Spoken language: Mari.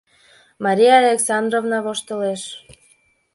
— Мария Александровна воштылеш.